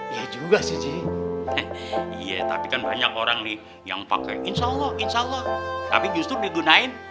ya juga sih iya tapi kan banyak orang nih yang pakai insya allah insya allah tapi justru digunain